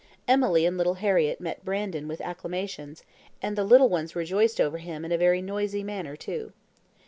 Emily and little Harriett met Brandon with acclamations, and the little ones rejoiced over him in a very noisy manner, too.